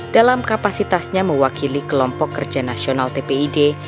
dalam kapasitasnya mewakili kelompok kerja nasional tpid